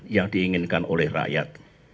yang diinginkan oleh rakyat